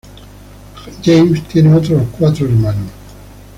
James tiene otros cuatro hermanos.